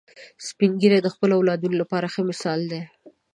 سپین ږیری د خپلو اولادونو لپاره ښه مثال دي